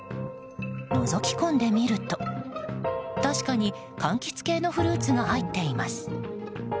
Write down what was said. のぞき込んでみると確かに、柑橘系のフルーツが入っています。